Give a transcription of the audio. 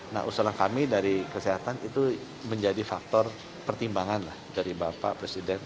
nah usulan kami dari kesehatan itu menjadi faktor pertimbangan dari bapak presiden